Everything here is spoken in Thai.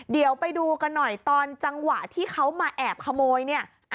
เดี๋ยวไปดูกันหน่อยตอนจังหวะที่เขามาแอบขโมยเนี่ย